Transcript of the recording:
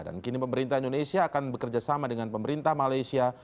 dan kini pemerintah indonesia akan bekerjasama dengan pemerintah malaysia